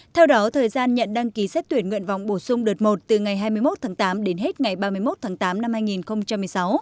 theo đó thời gian nhận đăng ký xét tuyển nguyện vọng bổ sung đợt một từ ngày hai mươi một tháng tám đến hết ngày ba mươi một tháng tám năm hai nghìn một mươi sáu